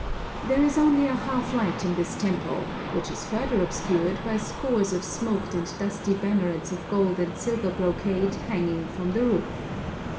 There is only a half light in this temple, which is further obscured by scores of smoked and dusty bannerets of gold and silver brocade hanging from the roof.